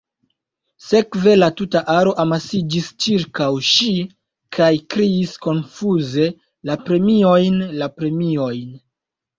Sekve, la tuta aro amasiĝis ĉirkaŭ ŝi kaj kriis konfuze “La premiojn, la premiojn.”